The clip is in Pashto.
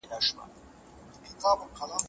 سوله د پرمختګ لپاره اکسیجن دی.